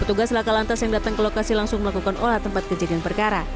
petugas laka lantas yang datang ke lokasi langsung melakukan olah tempat kejadian perkara